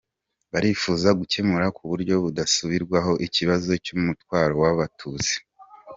Barifuza gukemura kuburyo budasubirwaho, ikibazo cy’umutwaro w’Abatutsi.